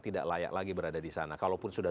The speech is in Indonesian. tidak layak lagi berada di sana kalaupun sudah